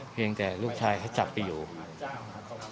เพียงแต่ลูกชายก็จับไปอยู่